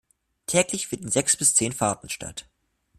Täglich finden sechs bis zehn Fahrten statt.